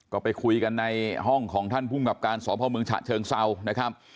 ก็ไปคุยกันในห้องของท่านภูมิกับการสพเมืองฉะเชิงเซานะครับ